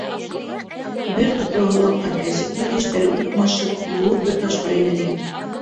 Бер туҡтауһыҙ аҡҡан әсе күҙ йәштәре, уҡмашып, ҙур бер ташҡа әйләнгән.